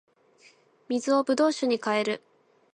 水を葡萄酒に変える